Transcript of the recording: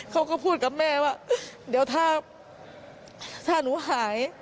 เขาก็พูดกับแม่ว่าเดี๋ยวถ้าหนูหาย